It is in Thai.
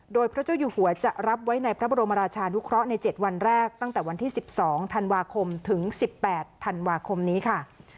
โดยพระเจ้าอยู่หัวจะรับไว้ในพระบรมราชานุเคราะห์ใน๗วันแรกตั้งแต่วันที่๑๒ธันวาคมถึง๑๘ธันวาคมนี้ค่ะ